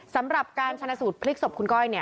สำหรับการชนะสูตรพลิกศพคุณก้อย